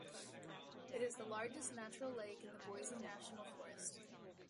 It is the largest natural lake in Boise National Forest.